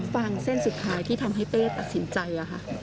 ฟังเส้นสุดท้ายที่ทำให้เป้ตัดสินใจ